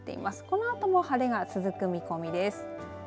このあとも晴れが続く見込みです。